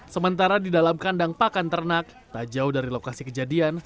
sementara di dalam kandang pakan ternak tak jauh dari lokasi kejadian